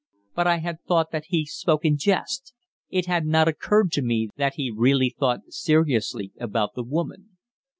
But I had thought that he spoke in jest; it had not occurred to me that he really thought seriously about the woman.